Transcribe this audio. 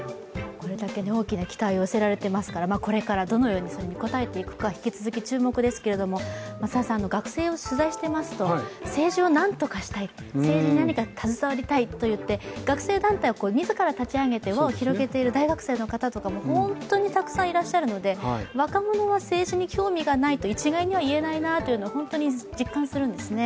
これだけ大きな期待を寄せられていますからこれからどう応えていくか、引き続き注目ですけれども学生を取材していますと政治を何とかしたい、政治に何か携わりたいといって学生団体を自ら立ち上げて輪を広げている大学生の方も本当にたくさんいらっしゃるので若者は政治に興味がないと一概には言えないなと本当に実感するんですね。